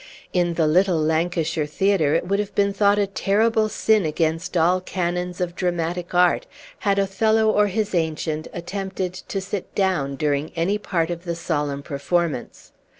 In the little Lancashire theatre it would have been thought a terrible sin against all canons of dramatic art had Othello or his Ancient attempted to sit down during any part of the solemn performance.